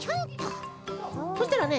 そしたらね